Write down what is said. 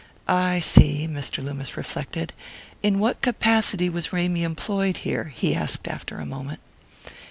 "I see." Mr. Loomis reflected. "In what capacity was Ramy employed here?" he asked after a moment.